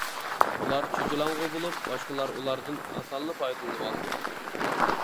ئۇلار چېچىلاڭغۇ بولۇپ، باشقىلار ئۇلاردىن ئاسانلا پايدىلىنىۋالىدۇ.